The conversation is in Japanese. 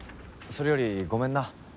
それよりごめんな。